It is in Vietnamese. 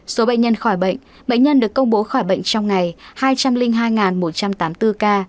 số bệnh nhân khỏi bệnh bệnh nhân được công bố khỏi bệnh trong ngày hai trăm linh hai một trăm tám mươi bốn ca